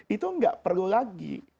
itu tidak perlu lagi